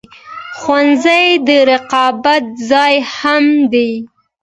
ښوونځی د رقابت ځای هم دی